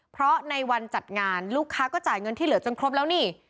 เพราะในวันจัดงานลูกค้าก็จ่ายเงินที่เหลือจนครบแล้วนี่